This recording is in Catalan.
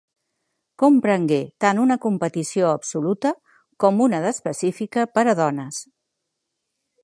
Comprengué tant una competició absoluta com una d'específica per a dones.